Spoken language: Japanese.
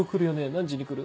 「何時に来る？」